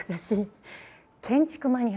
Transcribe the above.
建築マニア！？